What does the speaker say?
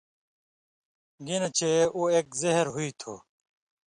گِنہۡ چے اُو ایک زہر ہُوئ تُھو۔